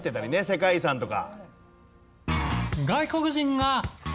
世界遺産とか。